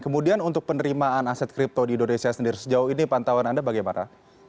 kemudian untuk penerimaan aset kripto di indonesia sendiri sejauh ini pantauan anda bagaimana